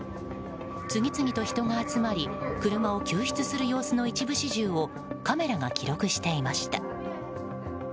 次々と人が集まり車を救出する様子の一部始終をカメラが記録していました。